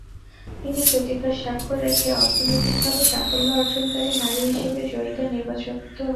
তিনি প্রতিভার স্বাক্ষর রেখে অর্থনৈতিকভাবে সাফল্য অর্জনকারী নারী হিসেবে জয়িতা নির্বাচিত হয়েছেন।